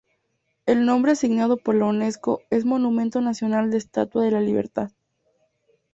El nombre asignado por la Unesco es Monumento Nacional Estatua de la Libertad.